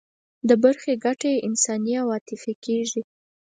د برخې ګټه یې انساني او عاطفي کېږي.